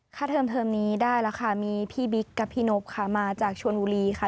เทอมเทอมนี้ได้แล้วค่ะมีพี่บิ๊กกับพี่นบค่ะมาจากชนบุรีค่ะ